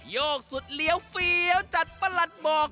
โยกสุดเลี้ยวเฟี้ยวจัดประหลัดบอก